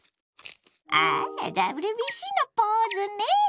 ああＷＢＣのポーズね！